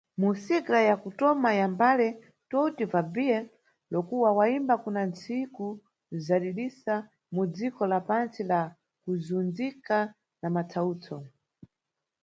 Mu single ya kutoma ya mbale, "Tout va bien", Lokua wayimba kuna ntsiku zadidisa, mu dziko la pantsi la kuzundzika na matsawutso.